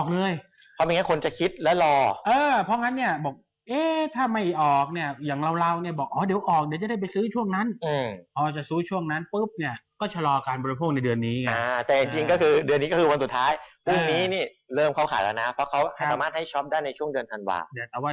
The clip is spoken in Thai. เริ่มข้าวขายแล้วนะเพราะเขาสามารถให้ช้อปได้ในช่วงเดือนถังหวา